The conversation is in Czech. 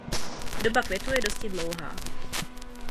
Doba květu je dosti dlouhá.